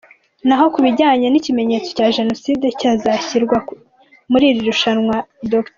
Naho ku bijyanye n’ikimenyetso cya Jenoside cyazashyirwa muri iri shuri, Dr.